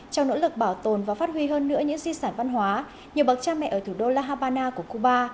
trong nỗ lực bảo tồn và phát huy hơn nữa những di sản văn hóa nhiều bậc cha mẹ ở thủ đô la habana của cuba